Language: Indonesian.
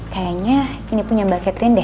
kayaknya ini punya mbak catherine deh